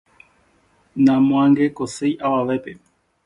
Namoangekoiséi avavépe.